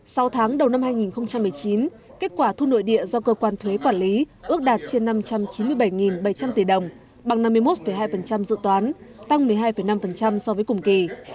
sau tháng đầu năm hai nghìn một mươi chín kết quả thu nội địa do cơ quan thuế quản lý ước đạt trên năm trăm chín mươi bảy bảy trăm linh tỷ đồng bằng năm mươi một hai dự toán tăng một mươi hai năm so với cùng kỳ